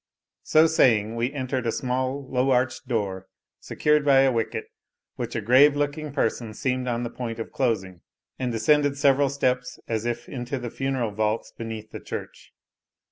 So saying, we entered a small low arched door, secured by a wicket, which a grave looking person seemed on the point of closing, and descended several steps as if into the funeral vaults beneath the church.